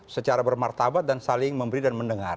secara bermartabat dan saling memberi dan mendengar